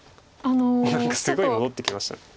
何かすごい戻ってきました。